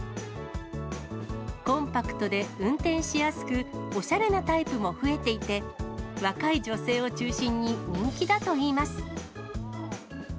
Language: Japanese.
コンパクトで運転しやすく、おしゃれなタイプも増えていて、若い女性を中心に人気だといいます。